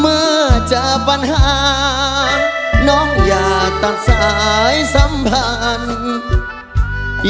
เมื่อเจอปัญหาน้องอย่าตัดสายสัมพันธ์